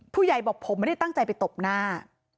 ผู้ใหญ่บอกผมไม่ได้ตั้งใจไปตบหน้า